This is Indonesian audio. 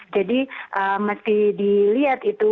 jadi mesti dilihat itu